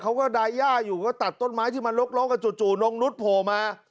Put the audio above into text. เขาก็ดายย่าอยู่ก็ตัดต้นไม้ที่มันลกกันจู่นงนุษย์โผล่มา